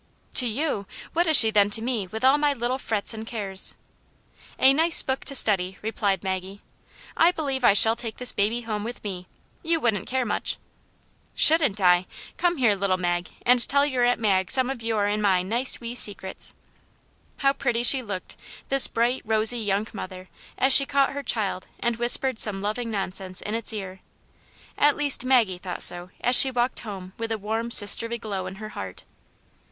" To you ! What is she then to me with all my little frets and cares ?" "A nice book to study!" replied Maggie. "I believe 1 shall take this baby home with me. You wouldn't care much !" "Shouldn't I? Come here, little Mag, and tell your Aunt Mag some of your and my nice wee secrets." How pretty she looked, this bright rosy young mother, as she caught her child and whispered some loving nonsense in its ear I At least Maggie thought so as she walked home with a warm sisterly glow in her heart.